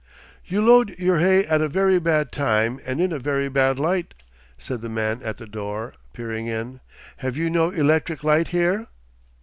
'You load your hay at a very bad time and in a very bad light,' said the man at the door, peering in. 'Have you no electric light here?